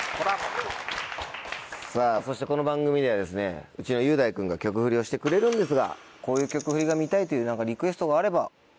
さぁそしてこの番組ではですねうちの雄大君が曲フリをしてくれるんですがこういう曲フリが見たいという何かリクエストがあれば。